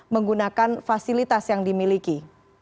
menggunakan fasilitas yang dimiliki